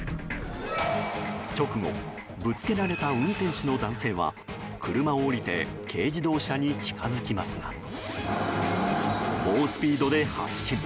直後、ぶつけられた運転手の男性は車を降りて軽自動車に近づきますが猛スピードで発進！